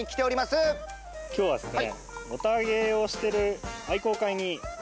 今日はですね